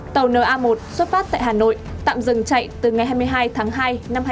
tàu na một xuất phát tại hà nội tạm dừng chạy từ ngày hai mươi hai tháng hai năm hai nghìn hai mươi